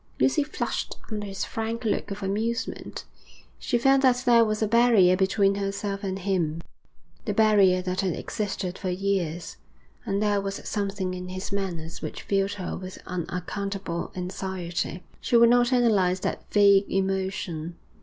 Lucy flushed under his frank look of amusement. She felt that there was a barrier between herself and him, the barrier that had existed for years, and there was something in his manner which filled her with unaccountable anxiety. She would not analyse that vague emotion.